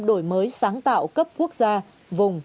đổi mới sáng tạo cấp quốc gia vùng